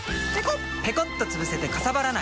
ペコッとつぶせてかさばらない！